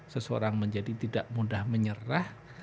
seseorang menjadi tidak mudah menyerah